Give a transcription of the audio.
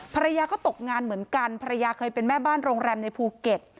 ภรรยาก็ตกงานเหมือนกันภรรยาเคยเป็นแม่บ้านโรงแรมในภูเก็ต